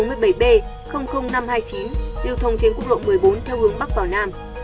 điều thông trên quốc lộ một mươi bốn theo hướng bắc vào nam